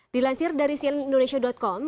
dilansir dari sialingindonesia com